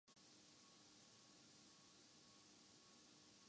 کراچی جشن زادی پرخریداری کے تمام ریکارڈٹوٹ گئے